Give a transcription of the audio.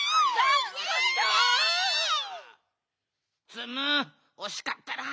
ツムおしかったな。